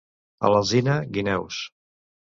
A l'Alzina, guineus.